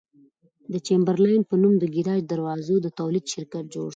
د چمبرلاین په نوم د ګراج دروازو د تولید شرکت جوړ شو.